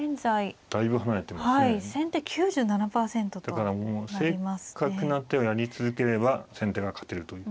だからもう正確な手をやり続ければ先手が勝てるという。